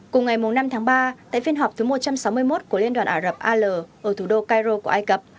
cùng ngày năm tháng ba tại phiên họp thứ một trăm sáu mươi một của liên đoàn ả rập al ở thủ đô cairo của ai cập